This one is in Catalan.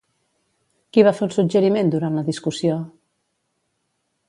Qui va fer un suggeriment durant la discussió?